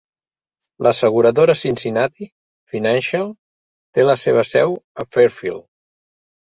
L'asseguradora Cincinnati Financial té la seva seu a Fairfield.